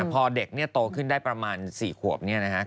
พอเด็กโตขึ้นได้ประมาณ๔ขวบ